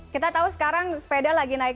kita tahu sekarang sepeda lagi naik